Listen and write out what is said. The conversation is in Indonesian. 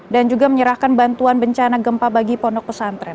dan juga menyerahkan bantuan bencana gempa bagi pondok pesantren